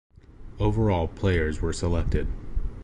Overall players were selected.